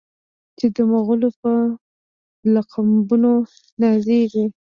چې د مغلو په لقبونو نازیږي.